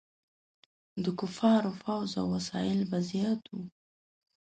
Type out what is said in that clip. د کفارو فوځ او وسایل به زیات وو.